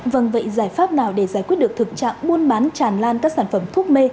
vâng vậy giải pháp nào để giải quyết được thực trạng buôn bán tràn lan các sản phẩm thuốc mê